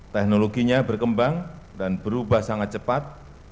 teknologinya berkembang dan berubah sangat cepat